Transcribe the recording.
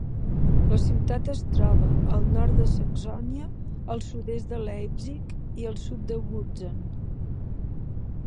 La ciutat es troba al nord de Saxònia, al sud-est de Leipzig i al sud de Wurzen.